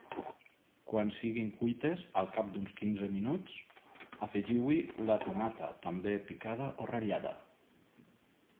Quan siguin cuites, al cap d'uns quinze minuts, afegiu-hi la tomata també picada o ratllada.